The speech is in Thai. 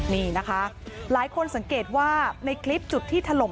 นี่นะคะหลายคนสังเกตว่าในคลิปจุดที่ถล่ม